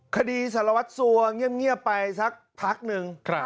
คดีสารวัตรสัวเงียบไปสักพักหนึ่ง